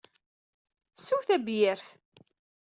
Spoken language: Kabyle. Sew tabyirt.